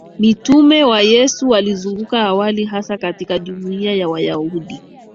Mitume wa Yesu walizunguka awali hasa katika jumuiya za Wayahudi